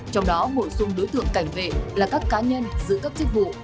trong đó bổ sung đối tượng cảnh vệ là các cá nhân giữ các chức vụ